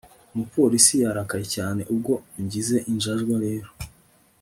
Umupolisi yarakaye cyane ubwo ungize injajwa rero